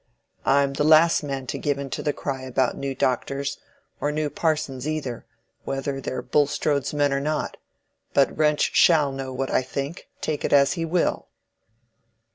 "I'm the last man to give in to the cry about new doctors, or new parsons either—whether they're Bulstrode's men or not. But Wrench shall know what I think, take it as he will."